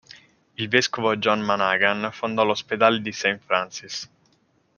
Il vescovo John Monaghan fondò l'ospedale di Saint Francis.